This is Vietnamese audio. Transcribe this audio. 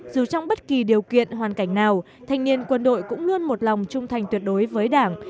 dù trong bất kỳ điều kiện hoàn cảnh nào thanh niên quân đội cũng luôn một lòng trung thành tuyệt đối với đảng